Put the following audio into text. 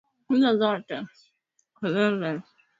Manyumba yalifunguka tu kwa mabehewa ya ndani na makoboti madogo